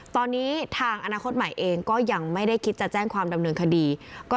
ตอนนี้ทางอนาคตใหม่เองก็ยังไม่ได้คิดจะแจ้งความดำเนินคดี